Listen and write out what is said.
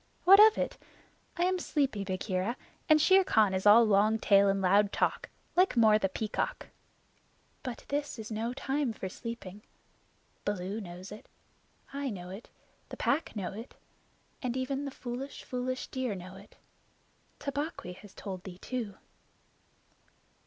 "What of it? I am sleepy, Bagheera, and Shere Khan is all long tail and loud talk like Mao, the Peacock." "But this is no time for sleeping. Baloo knows it; I know it; the Pack know it; and even the foolish, foolish deer know. Tabaqui has told thee too."